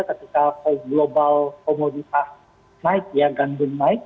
ketika global komoditas naik ya gandum naik